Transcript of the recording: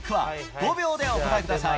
５秒でお答えください。